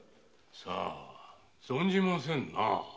さ存じませんな。